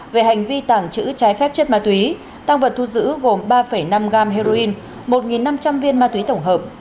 về hành vi tàng trữ trái phép chất ma túy tăng vật thu giữ gồm ba năm gram heroin một năm trăm linh viên ma túy tổng hợp